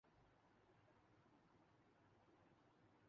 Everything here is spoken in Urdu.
تو بات بنتی ہے۔